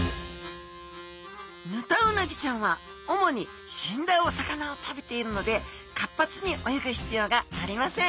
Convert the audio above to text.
ヌタウナギちゃんは主に死んだお魚を食べているので活発に泳ぐ必要がありません